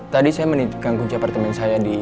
tadi saya menitipkan kunci apartemen saya di